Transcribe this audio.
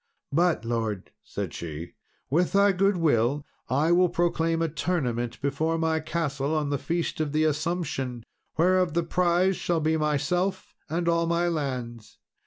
"But, lord," said she, "with thy goodwill I will proclaim a tournament before my castle on the Feast of the Assumption, whereof the prize shall be myself and all my lands.